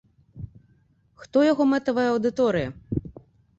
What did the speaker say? Хто яго мэтавая аўдыторыя?